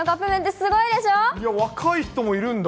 いや、若い人もいるんだ。